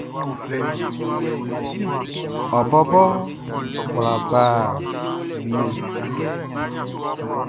Ɔ bɔbɔ kwla ba wie.